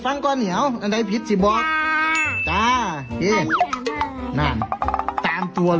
ออกใช้กั้นตามพ่อ